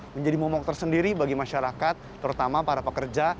menjadi momok tersendiri bagi masyarakat terutama para pekerja